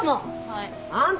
はい。